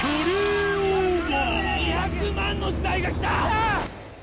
２００万の時代が来た！